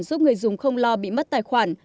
giúp người dùng không lo bị mất tài khoản